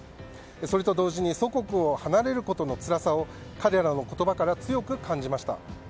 それと同時に祖国を離れることのつらさを彼らの言葉から強く感じました。